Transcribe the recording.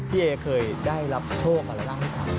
พี่เอเคยได้รับโชคอะไรนะครับ